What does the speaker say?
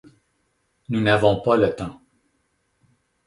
Nous n'avons pas le temps.